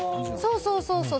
そうそうそうそう。